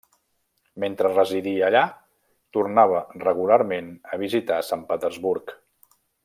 Mentre residia allà, tornava regularment a visitar Sant Petersburg.